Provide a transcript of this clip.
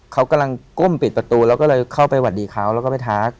เขากำลังก้มปิดประตูแล้วก็เลยเข้าไปสวัสดีเขาแล้วก็ไปทัก